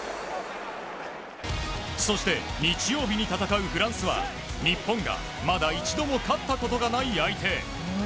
そして、日曜日に戦うフランスは日本がまだ一度も勝ったことがない相手。